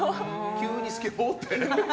急にスケボー？って。